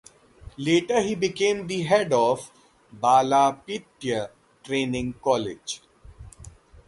Later he became the head of Balapitiya Training College.